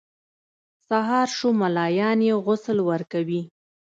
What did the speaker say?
سهار شو ملایان یې غسل ورکوي.